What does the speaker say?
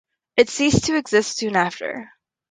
It ceased to exist soon after.